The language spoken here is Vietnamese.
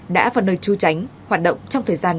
đã vào nơi tru tránh hoạt động trong thời gian